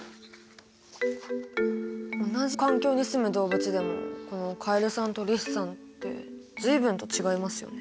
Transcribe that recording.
同じ環境にすむ動物でもこのカエルさんとリスさんって随分と違いますよね。